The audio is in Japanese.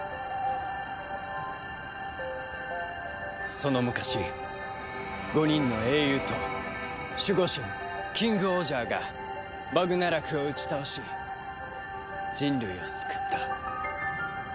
「その昔５人の英雄と守護神キングオージャーがバグナラクを打ち倒し人類を救った」。